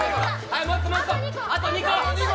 あと２個！